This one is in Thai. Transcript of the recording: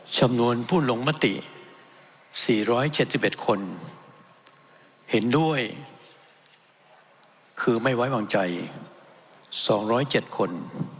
จำนวนผู้ลงมติ๔๗๑คนเห็นด้วยคือไม่ไว้วางใจ๒๐๗คน